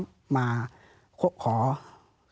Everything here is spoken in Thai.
ปีอาทิตย์ห้ามีส